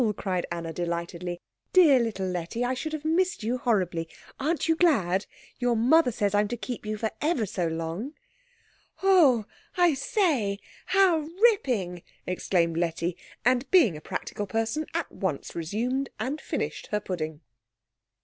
cried Anna delightedly. "Dear little Letty I should have missed you horribly. Aren't you glad? Your mother says I'm to keep you for ever so long." "Oh, I say how ripping!" exclaimed Letty; and being a practical person at once resumed and finished her pudding.